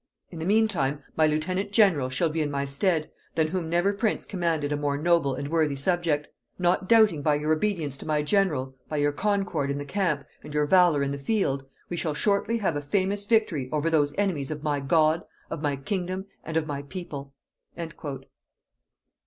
In the meantime, my lieutenant general shall be in my stead, than whom never prince commanded a more noble and worthy subject; not doubting by your obedience to my general, by your concord in the camp, and your valor in the field, we shall shortly have a famous victory over those enemies of my God, of my kingdom, and of my people."